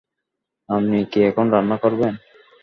আপনি কি এখন রান্না করবেন?